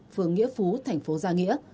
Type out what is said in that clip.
phường nghĩa phú thành phố gia nghĩa